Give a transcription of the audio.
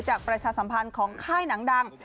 ประชาสัมพันธ์ของค่ายหนังดัง